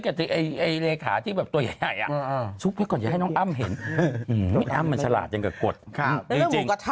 ขยัดหายเลยค่าที่แบบตัวใหญ่สุดพี่ค่ะให้น้องอ้ำเห็นอ้านมันฉลาดจังกว่ากดข้ามึง